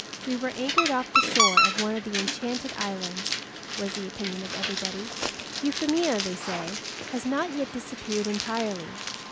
"We were anchored off the shore of one of the enchanted islands," was the opinion of everybody. Euphemia, they say, has not yet disappeared entirely.